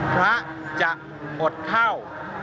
พระจะอดเข้า